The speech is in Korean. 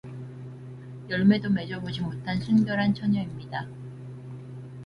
열매도 맺어 보지 못한 순결한 처녀입니다.